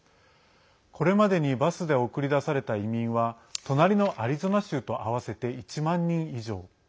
これまでに、バスで送り出された移民は隣のアリゾナ州と合わせて１万人以上。